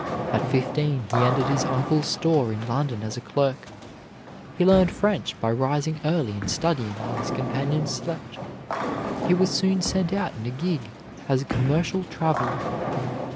At fifteen he entered his uncle's store in London as a clerk. He learned French by rising early and studying while his companions slept. He was soon sent out in a gig as a commercial traveler.